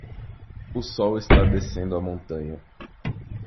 O sol está descendo a montanha.